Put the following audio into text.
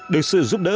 được sự giúp đỡ